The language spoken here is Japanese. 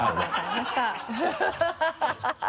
ハハハ